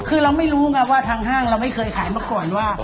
คือเราไม่รู้ไงว่าทางห้างเราไม่เคยขายมาก่อนว่า